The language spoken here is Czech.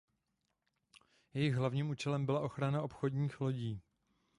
Jejich hlavním účelem byla ochrana obchodních lodí.